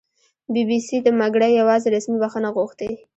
بي بي سي دمګړۍ یواځې رسمي بښنه غوښتې